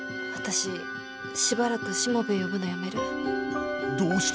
私しばらくしもべえ呼ぶのやめる。